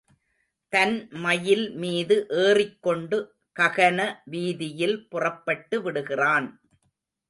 தன் மயில் மீது ஏறிக்கொண்டு ககன வீதியில் புறப்பட்டு விடுகிறான்.